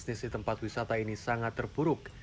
bisnis di tempat wisata ini sangat terpuruk